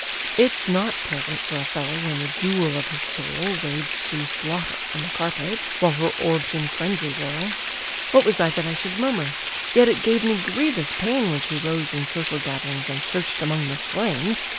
It's not pleasant for a fellow when the jewel of his soul Wades through slaughter on the carpet, while her orbs in frenzy roll: What was I that I should murmur? Yet it gave me grievous pain When she rose in social gatherings and searched among the slain.